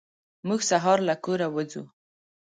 موږ سهار له کوره وځو.